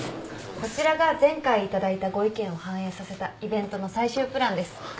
こちらが前回頂いたご意見を反映させたイベントの最終プランです。